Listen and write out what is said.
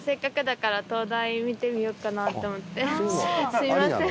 すいません。